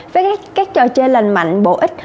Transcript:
với các trò chơi lành mạnh bổ ích